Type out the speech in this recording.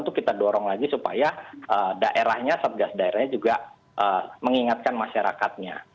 itu kita dorong lagi supaya daerahnya satgas daerahnya juga mengingatkan masyarakatnya